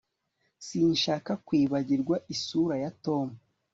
Sinshaka kwibagirwa isura ya Tom